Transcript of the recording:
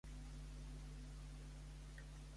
Només hi havia un Taraxip?